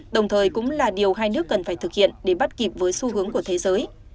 đồng thời cũng là điều hai nước cần phải thực hiện để bắt kịp với xu hướng của thế giới